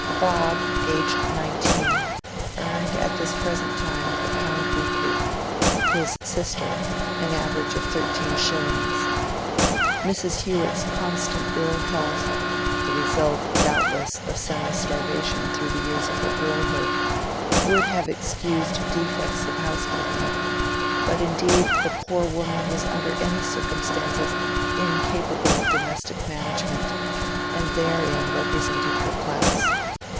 Bob, aged nineteen, earned at this present time a pound weekly; his sister, an average of thirteen shillings. Mrs. Hewett's constant ill health (the result, doubtless, of semi starvation through the years of her girlhood), would have excused defects of housekeeping; but indeed the poor woman was under any circumstances incapable of domestic management, and therein represented her class.